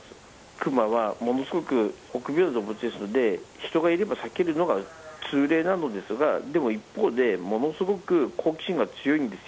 クマはものすごく臆病ですので人がいれば避けるのが通例なんですがでも、一方でものすごく好奇心が強いんです。